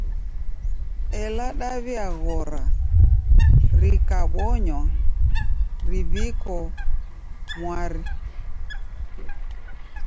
Ela dawi'aghora rikabonywa riw'iko mwari.